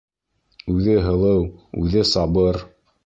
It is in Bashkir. Үҙе һылыу, үҙе сабыр.